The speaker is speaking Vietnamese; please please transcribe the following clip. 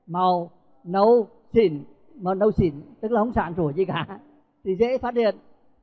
màu nấu xỉn màu nấu xỉn tức là không sản rũ gì cả thì dễ phát hiện